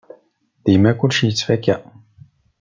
Dima kullec yettfaka.